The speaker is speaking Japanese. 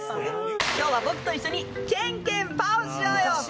今日は僕と一緒にケンケンパをしようよ！